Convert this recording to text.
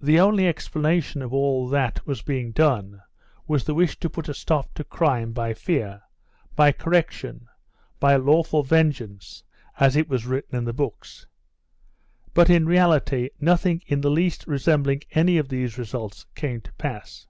The only explanation of all that was being done was the wish to put a stop to crime by fear, by correction, by lawful vengeance as it was written in the books. But in reality nothing in the least resembling any of these results came to pass.